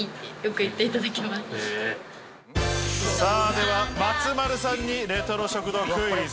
では松丸さんにレトロ食堂クイズ。